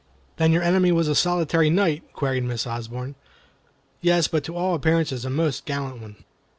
"Then your enemy was a solitary knight?" queried Miss Osborne. "Yes, but to all appearances a most gallant one."